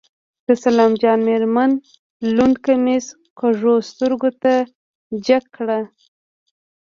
د سلام جان مېرمن لوند کميس کږو سترګو ته جګ کړ.